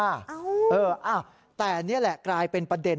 อ้าวแต่นี่แหละกลายเป็นประเด็น